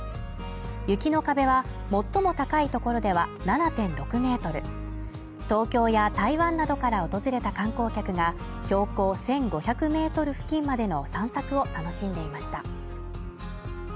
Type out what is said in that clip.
雪の壁は最も高いところでは７．６ｍ東京や台湾などから訪れた観光客が標高１５００ｍ付近までの散策を楽しんでいました。